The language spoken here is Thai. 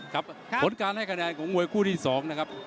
ผลการให้คะแนนของมวยคู่ที่๒นะครับ